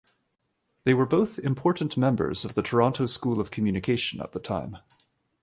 They were both important members of the Toronto School of Communication at the time.